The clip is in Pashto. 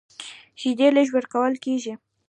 شیدې لږ ورکول کېږي.